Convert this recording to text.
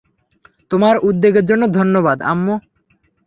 তোমার উদ্বেগের জন্য ধন্যবাদ, আম্মু।